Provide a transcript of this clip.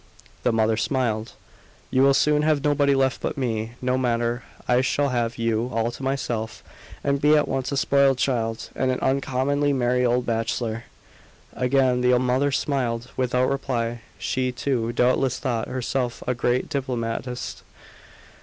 The mother smiled. "You will soon have nobody left but me. No matter. I shall have you all to myself, and be at once a spoiled child, and an uncommonly merry old bachelor." Again the mother smiled, without reply. She, too, doubtless thought herself a great diplomatist.